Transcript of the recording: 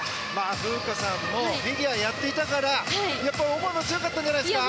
風花さんもフィギュアをやっていたから思いも強かったんじゃないですか？